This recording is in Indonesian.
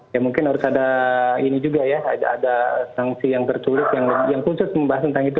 ya mungkin harus ada ini juga ya ada sanksi yang tertulis yang khusus membahas tentang itu